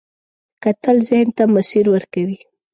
کتل ذهن ته مسیر ورکوي